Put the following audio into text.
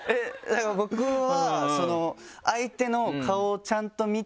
僕は。